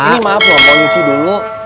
ini maaf mau nyuci dulu